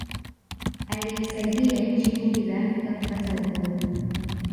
aliisaidia nchi nyingi za afrika kupata uhuru